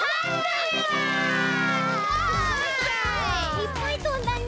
いっぱいとんだね。